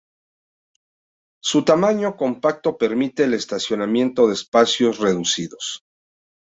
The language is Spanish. Su tamaño compacto permite el estacionamiento en espacios reducidos.